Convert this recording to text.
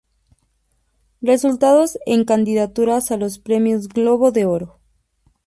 Resultados en candidaturas a los Premios Globo de Oro.